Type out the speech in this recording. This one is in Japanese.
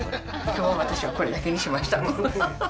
今日私はこれだけにしました。